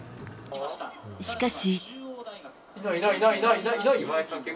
しかし。